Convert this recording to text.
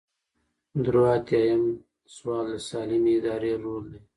درې ایاتیام سوال د سالمې ادارې رول دی.